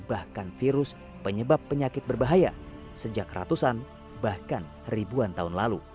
bahkan virus penyebab penyakit berbahaya sejak ratusan bahkan ribuan tahun lalu